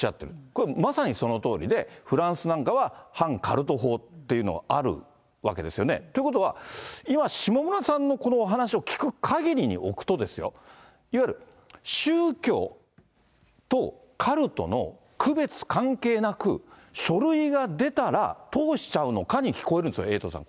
これ、まさにそのとおりで、フランスなんかは、反カルト法っていうのがあるわけですよね。ということは、今、下村さんのこのお話を聞くかぎりにおくとですよ、いわゆる宗教とカルトの区別関係なく、書類が出たら通しちゃうのかに聞こえちゃうんですよ、エイトさん。